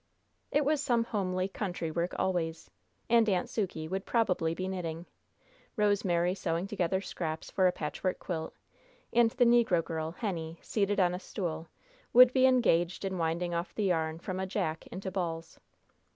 It was some homely, country work always. And Aunt Sukey would probably be knitting. Rosemary sewing together scraps for a patchwork quilt and the negro girl, Henny, seated on a stool, would be engaged in winding off the yarn from a "jack" into balls.